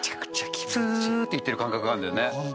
ツーッって行ってる感覚があるんだよね。